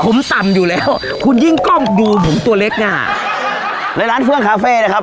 ผมต่ำอยู่แล้วคุณยิ่งกล้องดูผมตัวเล็กน่ะในร้านเฟื่องคาเฟ่นะครับ